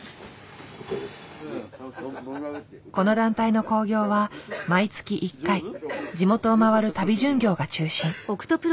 この団体の興行は毎月１回地元を回る旅巡業が中心。